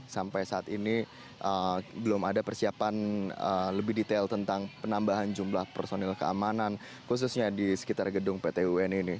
sampai saat ini belum ada persiapan lebih detail tentang penambahan jumlah personil keamanan khususnya di sekitar gedung pt un ini